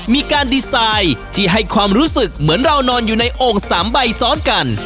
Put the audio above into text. มีการดีไซน์ที่ให้ความรู้สึกเหมือนเรานอนอยู่ในโอ่ง๓ใบซ้อนกัน